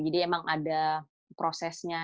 jadi emang ada prosesnya